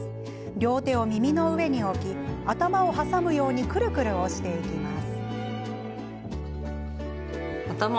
両手を耳の上に置き頭を挟むようにくるくる押していきます。